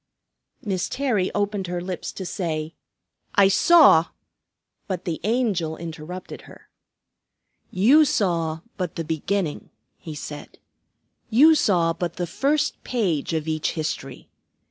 Miss Terry opened her lips to say, "I saw " but the Angel interrupted her. "You saw but the beginning," he said. "You saw but the first page of each history.